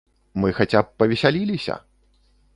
Мы хаця б павесяліліся!